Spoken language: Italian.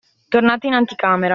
Tornate in anticamera.